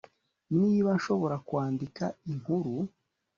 niba nshobora kwandika inkuru